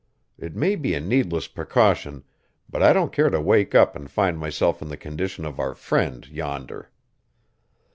It may be a needless precaution, but I don't care to wake up and find myself in the condition of our friend yonder."